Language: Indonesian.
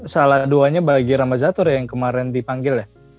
salah dua nya bagi rambazatur yang kemarin dipanggil ya